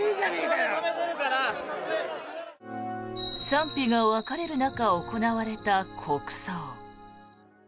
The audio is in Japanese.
賛否が分かれる中行われた国葬。